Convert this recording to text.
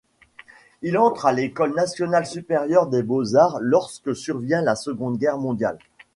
Il entre à l'École nationale supérieure des beaux-arts lorsque survient la Seconde Guerre mondiale.